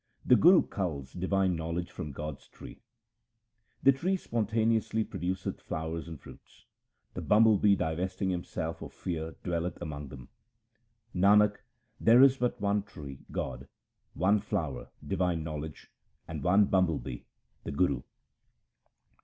The Guru culls divine knowledge from God's tree :— The tree spontaneously produceth flowers and fruits ; 236 THE SIKH RELIGION the bumble bee divesting himself of fear dwelleth among them. Nanak, there is but one tree (God), one flower (divine knowledge), and one bumble bee (the Guru).